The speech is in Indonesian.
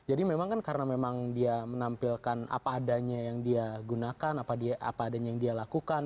jadi memang kan karena memang dia menampilkan apa adanya yang dia gunakan apa adanya yang dia lakukan